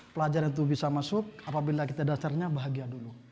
pelajaran itu bisa masuk apabila kita dasarnya bahagia dulu